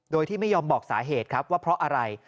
โดยที่ไม่ยอมบอกสาเหตุครับว่าเพราะอะไร